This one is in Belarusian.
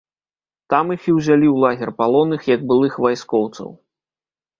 Там іх і ўзялі ў лагер палонных, як былых вайскоўцаў.